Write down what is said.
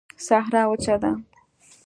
صحرا وچه ده